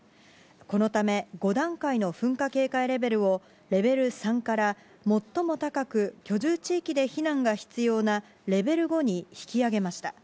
このため、５段階の噴火警戒レベルを、レベル３から、最も高く居住地域で避難が必要なレベル５に引き上げました。